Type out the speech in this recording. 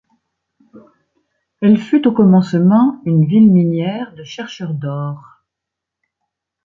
Elle fut au commencement une ville minière de chercheurs d'or.